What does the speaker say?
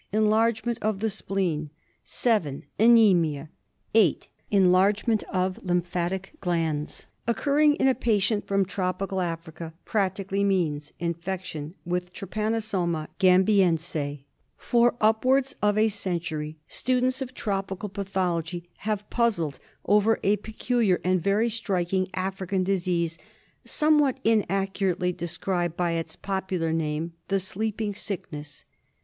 Enlargement of the spleen, 7. Anemia, 8. Enlargement of lymphatic glands. THE SLEEPING SICKN8SS. 113 occurring in a patient from Tropical Africa practically means infection with Trypanosoma gambiense. For upwards of a century studenis of tropical path ology have puzzled over a peculiar and very striking African disease, somewhat inaccurately described by its popular name, the Sleeping Sickijess.